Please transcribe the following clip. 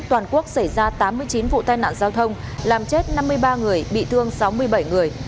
toàn quốc xảy ra tám mươi chín vụ tai nạn giao thông làm chết năm mươi ba người bị thương sáu mươi bảy người